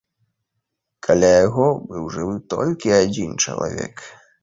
Каля яго быў жывы толькі адзін чалавек.